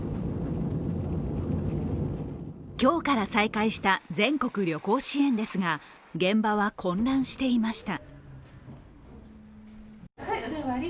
今日から再開した全国旅行支援ですが現場は混乱していました。